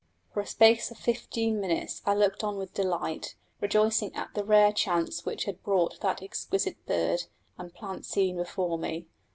For a space of fifteen minutes I looked on with delight, rejoicing at the rare chance which had brought that exquisite bird and plant scene before me.